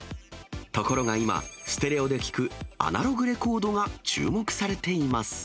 ところが今、ステレオで聴くアナログレコードが、注目されています。